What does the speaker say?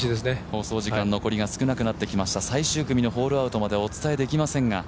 放送時間、残りが少なくなってきました、最終組のホールアウトまでお伝えできませんが。